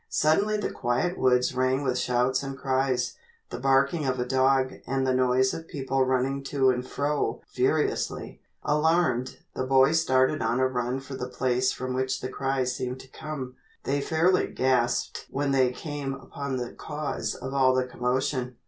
Suddenly the quiet woods rang with shouts and cries, the barking of a dog and the noise of people running to and fro furiously. Alarmed, the boys started on a run for the place from which the cries seemed to come. They fairly gasped when they came upon the cause of all the commotion.